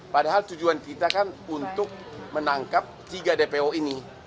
padahal tujuan kita kan untuk menangkap tiga dpo ini